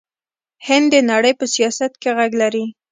هند د نړۍ په سیاست کې غږ لري.